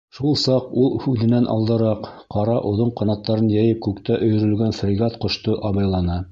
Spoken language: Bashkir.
Шул саҡ ул үҙенән алдараҡ, ҡара оҙон ҡанаттарын йәйеп, күктә өйөрөлгән фрегат ҡошто абайланы.